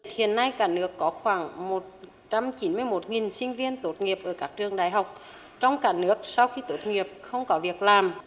hiện nay cả nước có khoảng một trăm chín mươi một sinh viên tốt nghiệp ở các trường đại học trong cả nước sau khi tốt nghiệp không có việc làm